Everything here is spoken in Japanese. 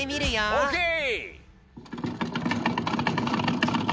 オッケー！